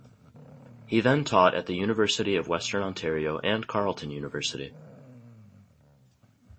He then taught at the University of Western Ontario and Carleton University.